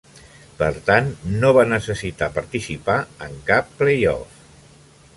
Per tant, no va necessitar participar en cap play-off.